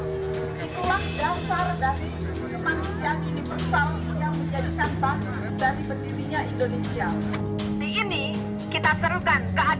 di ini kita serukan keadilan dan kesetaraan